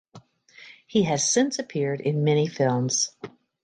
He has since appeared in many films.